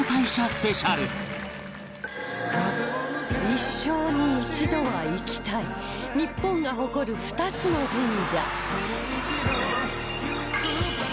一生に一度は行きたい日本が誇る２つの神社